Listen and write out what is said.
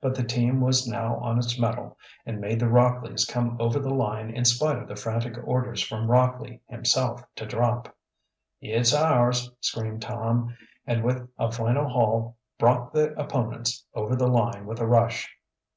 But the team was now on its mettle and made the Rockleys come over the line in spite of the frantic orders from Rockley himself to drop. "It's ours!" screamed Tom, and with a final haul brought the opponents over the line with a rush.